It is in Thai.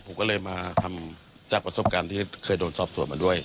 ผมก็เลยมาทำจากประสบการณ์ที่เคยโดนสอบส่วนมาด้วย